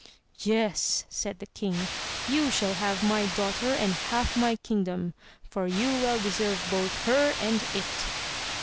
"Yes!" said the king; "you shall have my daughter and half my kingdom, for you well deserve both her and it."